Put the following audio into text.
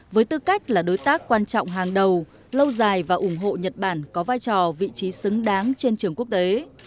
với tư cách là đối tác quan trọng hàng đầu lâu dài và ủng hộ nhật bản có vai trò vị trí xứng đáng trên trường quốc tế